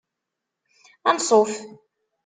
Anṣuf.